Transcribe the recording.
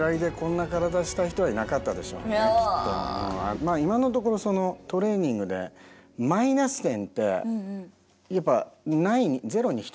まあ今のところそのトレーニングでマイナス点ってやっぱないゼロに等しいんですよ。